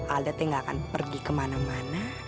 aldatnya gak akan pergi kemana mana